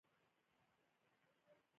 ښارونه د افغانستان په ستراتیژیک اهمیت کې دي.